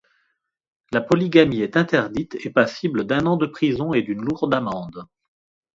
La polygamie est interdite et passible d'un an de prison et d'une lourde amende.